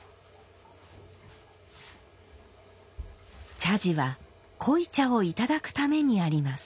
茶事は濃茶をいただくためにあります。